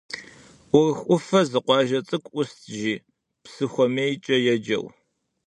Урыху ӏуфэ зы къуажэ цӏыкӏу ӏуст, жи, Псысэхуэмейкӏэ еджэу.